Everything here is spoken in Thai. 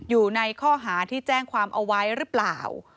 อยู่ในข้อหาที่แจ้งความเอาไว้หรือเปล่า